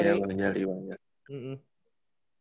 iya sama bang jali bang jali